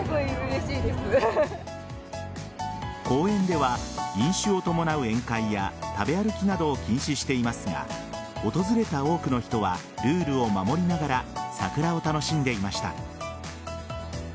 公園では飲酒を伴う宴会や食べ歩きなどを禁止していますが訪れた多くの人はルールを守りながら桜を楽しんでいました。